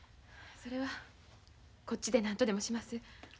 それはこっちでなんとでもします。